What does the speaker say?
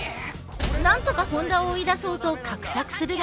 なんとか本田を追い出そうと画策するが。